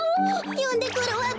よんでくるわべ！